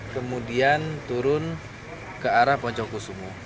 kemudian turun ke arah poncokusumo